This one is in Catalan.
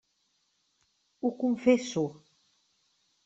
Ho confesso.